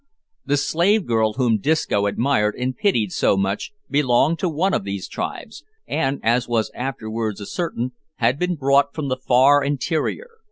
The slave girl whom Disco admired and pitied so much belonged to one of these tribes, and, as was afterwards ascertained, had been brought from the far interior.